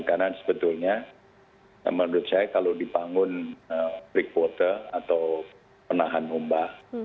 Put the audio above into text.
karena sebetulnya menurut saya kalau dibangun brick border atau penahan ombak